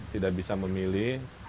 tidak bisa memilih